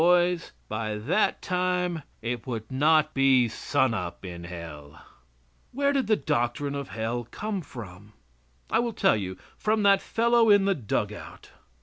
"Boys, by that time it would not be sun up in Hell." Where did that doctrine of Hell come from? I will tell you; from that fellow in the dug out.